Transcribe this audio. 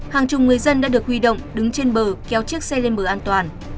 hàng chục người dân đã được huy động đứng trên bờ kéo chiếc xe lên bờ an toàn